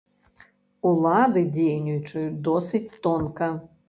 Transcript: Улады дзейнічаюць досыць тонка.